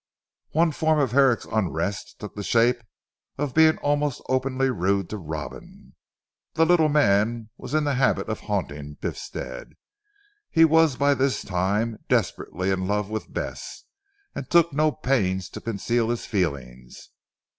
One form of Herrick's unrest took the shape of being almost openly rude to Robin. The little man was in the habit of haunting Biffstead. He was by this time desperately in love with Bess, and took no pains to conceal his feelings.